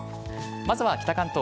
まずは北関東。